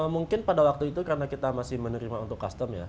mungkin pada waktu itu karena kita masih menerima untuk custom ya